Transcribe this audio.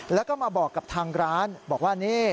แล้วก็มาบอกกับทางร้านบอกว่านี่